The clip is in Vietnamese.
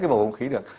cái bầu không khí được